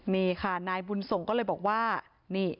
นี่ค่ะนายบุญส่งก็เลยบอกว่านี่